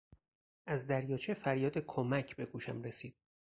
از دریاچه فریاد کمک به گوشم رسید.